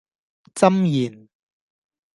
箴言